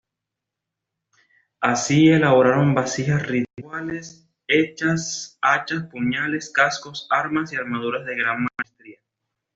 Así elaboraron vasijas rituales, hachas, puñales, cascos, armas y armaduras de gran maestría.